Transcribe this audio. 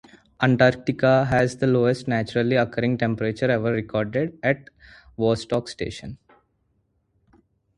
Antarctica has the lowest naturally occurring temperature ever recorded: at Vostok Station.